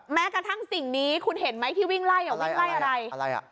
แม้กระทั่งสิ่งนี้คุณเห็นไหมที่วิ่งไล่อ่ะวิ่งไล่อะไรอะไรอ่ะ